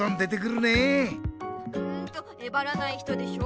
んとえばらない人でしょ